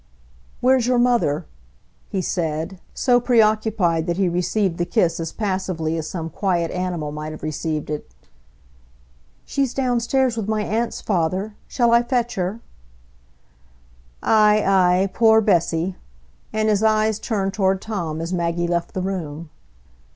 "Where's your mother?" he said, so preoccupied that he received the kiss as passively as some quiet animal might have received it. "She's downstairs with my aunts, father. Shall I fetch her?" "Ay, ay; poor Bessy!" and his eyes turned toward Tom as Maggie left the room.